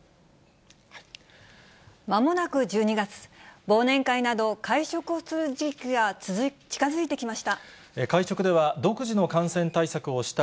まもなく１２月、忘年会など、会食をする機会が近づいてきました。